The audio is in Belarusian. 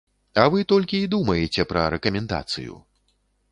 А вы толькі і думаеце пра рэкамендацыю.